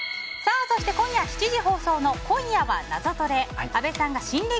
そして今夜７時放送の「今夜はナゾトレ」。